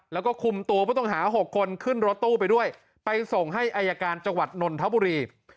แล้วก็คุมตัวผู้ต้องหา๖คนขึ้นรถตู้ไปด้วยไปส่งให้อายการจังหวัดนนทบุรี